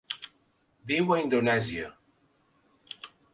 Viu a Indonèsia.